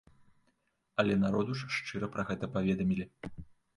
Але народу ж шчыра пра гэта паведамілі.